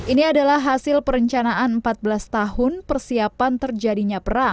ini adalah hasil perencanaan empat belas tahun persiapan terjadinya perang